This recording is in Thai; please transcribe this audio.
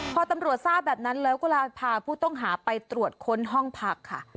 พอตำรวจทราบแบบนั้นแล้วก็เลยพาผู้ต้องหาไปตรวจค้นห้องพักค่ะ